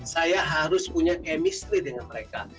saya harus punya chemistry dengan mereka